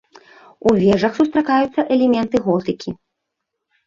У вежах сустракаюцца элементы готыкі.